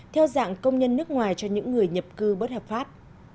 theo dạng công nhân nước ngoài cho những người nhập cư bất hợp pháp